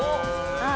はい。